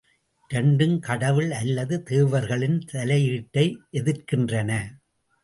இரண்டும் கடவுள் அல்லது தேவர்களின் தலையீட்டை எதிர்க்கின்றன.